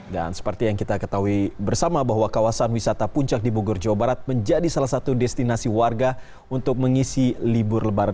dan seperti yang kita ketahui bersama bahwa kawasan wisata puncak di bogor jawa barat menjadi salah satu destinasi warga untuk mengisi libur lebaran